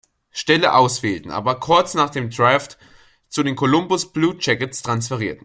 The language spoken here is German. Stelle auswählten, aber kurz nach dem Draft zu den Columbus Blue Jackets transferierten.